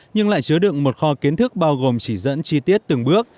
nhưng lại chứa đựng một kho kiến thức bao gồm chỉ dẫn chi tiết từng bước